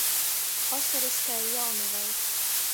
Osorys kai jaunivei.